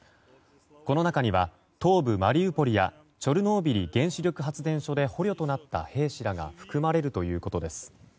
この中には東部マリウポリやチョルノービリ原子力発電所で捕虜となった兵士らが含まれるということです。